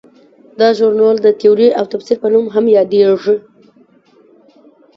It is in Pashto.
دا ژورنال د تیورۍ او تفسیر په نوم هم یادیږي.